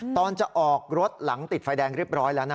ตอนจะออกรถหลังติดไฟแดงเรียบร้อยแล้วนะ